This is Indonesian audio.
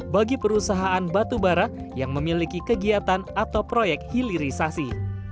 bagi perusahaan batubara yang memiliki kegiatan atau proyek hilirisasi